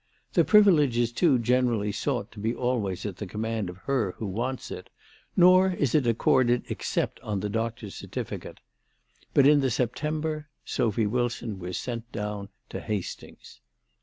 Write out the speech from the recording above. The privilege is too generally sought to be always at the command of her who wants it ; nor is it accorded except on the doctor's certificate. But in the September Sophy Wilson was sent down to Hastings.